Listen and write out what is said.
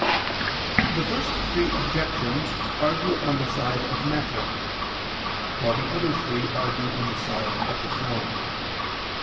The first three objections argue on the side of the matter; while the other three argue on the side of the form.